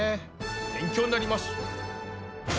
勉強になります！